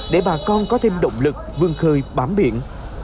để bà con có thêm động lực vươn khơi bám biển